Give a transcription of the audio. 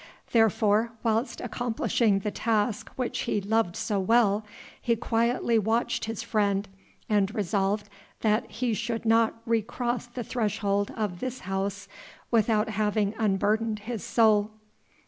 Therefore, whilst accomplishing the task which he loved so well, he quietly watched his friend and resolved that he should not recross the threshold of this house without having unburdened his soul.